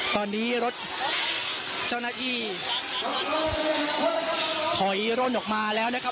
ตอนนี้รถเจ้าหน้าที่ถอยร่นออกมาแล้วนะครับ